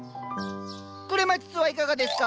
クレマチスはいかがですか？